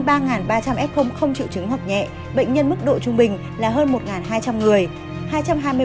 trong đó hơn ba ba trăm linh f không chịu chứng học nhẹ bệnh nhân mức độ trung bình là hơn một hai trăm linh người